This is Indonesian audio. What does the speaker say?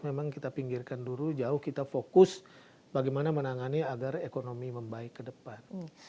memang kita pinggirkan dulu jauh kita fokus bagaimana menangani agar ekonomi membaik ke depan